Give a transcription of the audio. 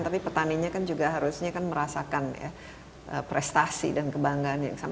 tapi petani nya kan juga harusnya merasakan prestasi dan kebanggaan yang sama